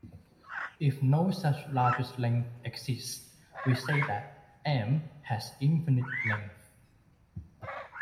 If no such largest length exists, we say that "M" has infinite length.